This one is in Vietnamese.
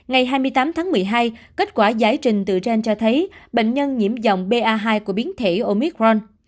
vào tháng một mươi hai kết quả giải trình từ gen cho thấy bệnh nhân nhiễm dòng ba hai của biến thể omicron